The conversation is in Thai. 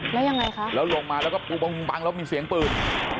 แล้วยังไงคะแล้วลงมาแล้วก็ปูบังแล้วมีเสียงปืน